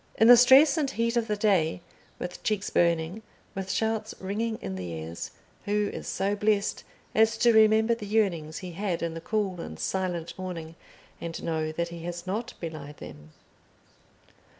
In the stress and heat of the day, with cheeks burning, with shouts ringing in the ears, who is so blest as to remember the yearnings he had in the cool and silent morning and know that he has not belied them?